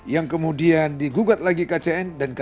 yang kemudian digugat lagi kcn dan k